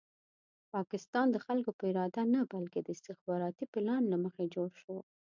پاکستان د خلکو په اراده نه بلکې د استخباراتي پلان له مخې جوړ شو.